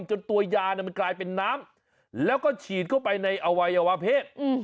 จนตัวยามันกลายเป็นน้ำแล้วก็ฉีดเข้าไปในอวัยวะเพศ